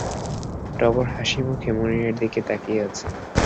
টগর হাসিমুখে মুনিরের দিকে তাকিয়ে আছে।